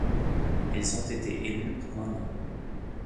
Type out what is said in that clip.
Ils ont été élus pour un an.